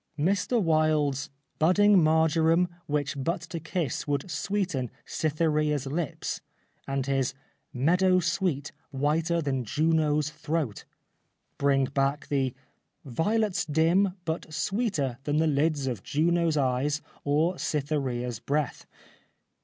184 The Life of Oscar Wilde Mr Wilde's ' Budding marjoram, which but to kiss Would sweeten Cytheraea's lips '— and his ' Meadow sweet Whiter than Juno's throat ' brings back the ' Violets dim, But sweeter than the lids of Juno's eyes Or Cytheraea's breath.'